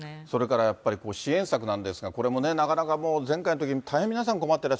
それからやっぱり支援策なんですが、これもね、なかなか前回のとき、大変皆さん